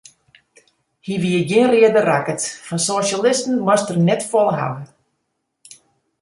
Hy wie gjin reade rakkert, fan sosjalisten moast er net folle hawwe.